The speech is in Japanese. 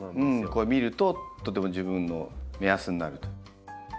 これ見るととっても自分の目安になると。